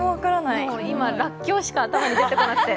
今、らっきょうしか頭に浮かばなくて。